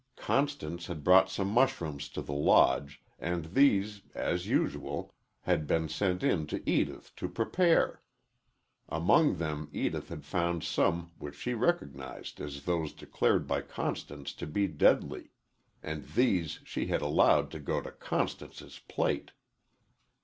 Constance had brought some mushrooms to the Lodge, and these, as usual, had been sent in to Edith to prepare. Among them Edith had found some which she recognized as those declared by Constance to be deadly, and these she had allowed to go to Constance's plate.